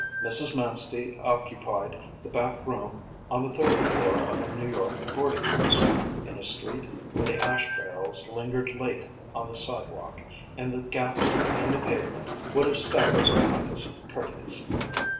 Mrs. Manstey occupied the back room on the third floor of a New York boarding house, in a street where the ash barrels lingered late on the sidewalk and the gaps in the pavement would have staggered a Quintus Curtius.